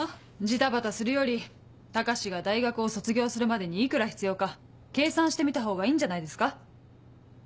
ジタバタするより高志が大学を卒業するまでに幾ら必要か計算してみたほうがいいんじゃないですか。